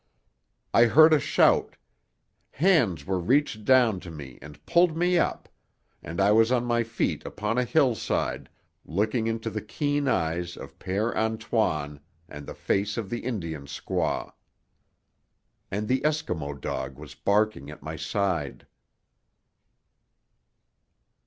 I heard a shout; hands were reached down to me and pulled me up, and I was on my feet upon a hillside, looking into the keen eyes of Père Antoine and the face of the Indian squaw. And the Eskimo dog was barking at my side.